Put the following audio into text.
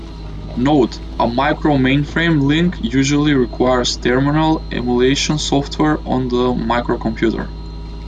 "Note:" A micro-mainframe link usually requires terminal emulation software on the microcomputer.